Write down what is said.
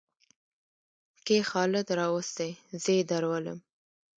کې خالد راوستى؛ زې درولم.